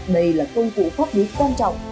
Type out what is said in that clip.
đây là công cụ pháp lý quan trọng